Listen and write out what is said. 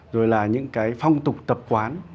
rồi là những cái phong tục tập quán